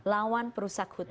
lawan perusahaan hutan